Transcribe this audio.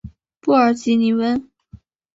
布尔吉尼翁。